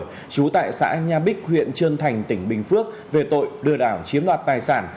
trú tại xã nhà bích huyện trân thành tỉnh bình phước về tội đưa đảo chiếm đoạt tài sản